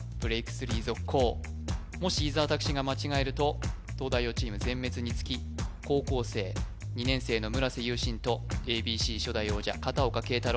３続行もし伊沢拓司が間違えると東大王チーム全滅につき高校生２年生の村瀬勇信と「ａｂｃ」初代王者片岡桂太郎